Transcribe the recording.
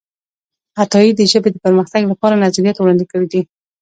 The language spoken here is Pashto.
عطايي د ژبې د پرمختګ لپاره نظریات وړاندې کړي دي.